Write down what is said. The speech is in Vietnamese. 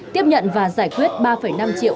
tiếp nhận và giải quyết ba năm triệu